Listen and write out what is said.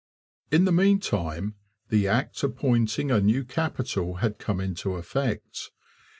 In the meantime the Act appointing a new capital had come into effect.